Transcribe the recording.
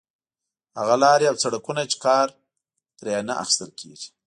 هغه لارې او سړکونه چې کار ترې نه اخیستل کېږي.